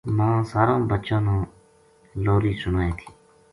ماں ساراں بچاں نا لوری سنائے تھی: